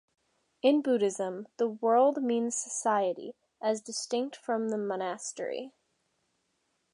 In Buddhism, the world means society, as distinct from the monastery.